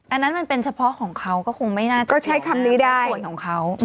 อันนั้นมันเป็นเฉพาะของเขาก็คงไม่น่าจะก็ใช้คำนี้ได้ส่วนของเขา